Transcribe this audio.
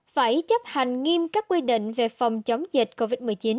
phải chấp hành nghiêm các quy định về phòng chống dịch covid một mươi chín